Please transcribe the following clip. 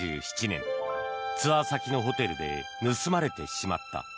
ツアー先のホテルで盗まれてしまった。